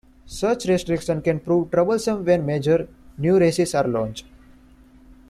Such restrictions can prove troublesome when major new races are launched.